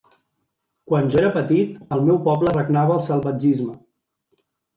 Quan jo era petit, al meu poble regnava el salvatgisme.